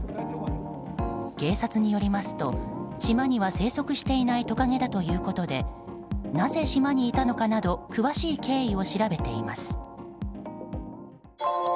警察によりますと島には生息していないトカゲだということでなぜ島にいたのかなど詳しい経緯を調べています。